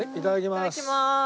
いただきます。